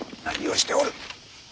何をしておる！